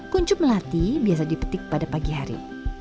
kuncup melati biasa dipetik pada pagi hari